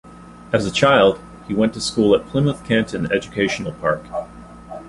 As a child, he went to school at Plymouth-Canton Educational Park.